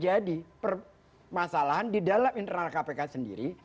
jadi itu adalah masalahan di dalam internal kpk sendiri